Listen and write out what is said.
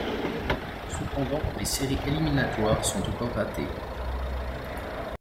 Cependant, les séries éliminatoires sont encore ratées.